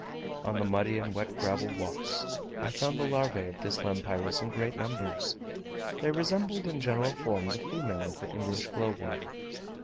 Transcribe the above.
On the muddy and wet gravel walks I found the larvae of this lampyris in great numbers: they resembled in general form the female of the English glowworm.